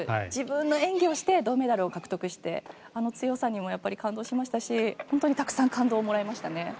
自分の演技をして銅メダルを獲得してあの強さにも感動しましたしたくさん感動をもらいましたね。